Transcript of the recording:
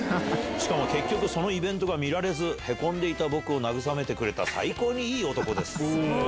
しかも結局、そのイベントが見られず、へこんでいた僕をなぐさめてくれた最高にいい男です。